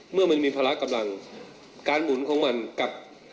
เมื่อมันมีภาระกำลังการหมุนของมันกับ